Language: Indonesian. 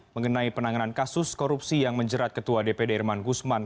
mengenai penanganan kasus korupsi yang menjerat ketua dpd irman gusman